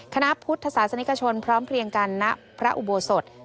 คณะพุทธศาสนิกชนพร้อมเพลียงกันณพระอุโบสถ